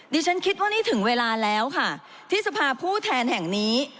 ดิฉันคิดว่านี่ถึงเวลาแล้วค่ะที่สภาผู้แทนแห่งนี้